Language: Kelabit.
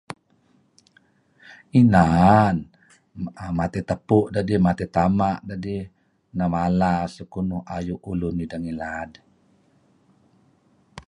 Inan. Matey tepu' dedih, matey tama' dedih mala sekunuh ayu' ulun deh ngilad.